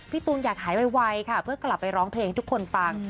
ตูนอยากหายไวค่ะเพื่อกลับไปร้องเพลงให้ทุกคนฟัง